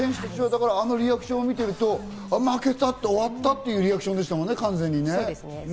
あのリアクションを見てると負けた、終わったっていうリアクションでしたもんね。